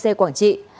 cdc quảng trị